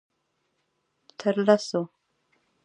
_تر لسو.